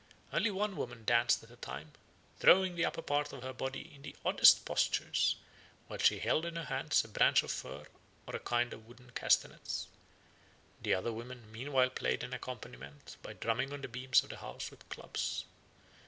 Only one woman danced at a time, throwing the upper part of her body into the oddest postures, while she held in her hands a branch of fir or a kind of wooden castanets. The other women meanwhile played an accompaniment by drumming on the beams of the house with clubs.